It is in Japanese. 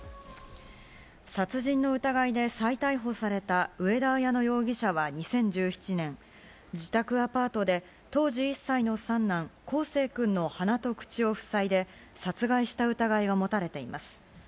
殺人の疑いで再逮捕された上田綾乃容疑者は２０１７年、自宅アパートで、当時１歳の三男、康生くんの鼻と口を塞いで、殺害した疑いが持たれています。